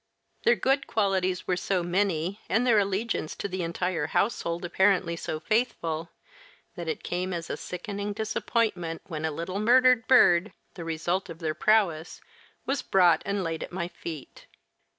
Their good qualities were so many, and their allegiance to the entire household apparently so faithful, that it came as a sickening disappointment when a little murdered bird, the result of their prowess, was brought and laid at my feet.